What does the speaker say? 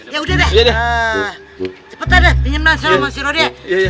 yaudah deh cepetan deh minum nasi sama si rodi ya